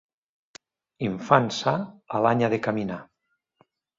Infant sa, a l'any ha de caminar.